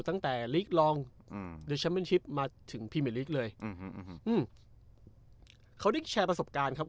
ตั้งแต่ลีกลองอืมมาถึงเลยอืมเขาได้แชร์ประสบการณ์ครับ